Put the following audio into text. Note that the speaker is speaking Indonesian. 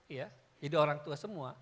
jadi orang tua semua